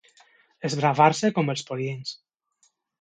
Esbravar-se com els pollins.